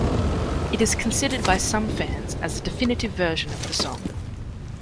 It is considered by some fans as the definitive version of the song.